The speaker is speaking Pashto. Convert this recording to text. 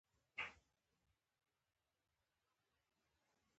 مولوي سمیع الحق جمیعت علمای اسلام بنا کړې وې.